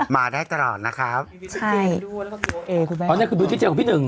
มาได้ตลอดนะครับใช่เอ่ยอ๋อเนี้ยคือวิทย์เจมส์ของพี่หนึ่งหรอ